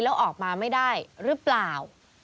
แล้วออกมาไม่ได้หรือเปล่า